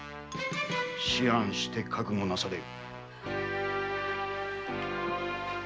思案して覚悟なされよ。